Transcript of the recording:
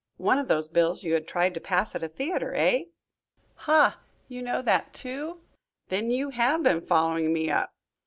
"One of those bills you had tried to pass at a theatre, eh?" "Ha! You know that, too! Then you have been following me up?"